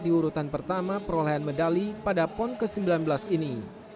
di urutan pertama perolehan medali pada pon ke sembilan belas ini